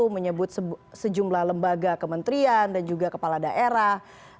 menyebut sejumlah lembaga kementerian dan juga kepala daerah